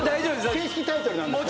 正式タイトルなんですか？